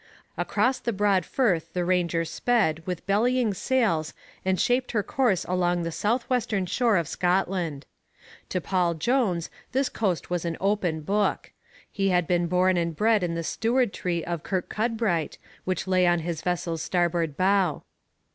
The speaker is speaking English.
Across the broad firth the Ranger sped with bellying sails and shaped her course along the south western shore of Scotland. To Paul Jones this coast was an open book; he had been born and bred in the stewartry of Kirkcudbright, which lay on his vessel's starboard bow.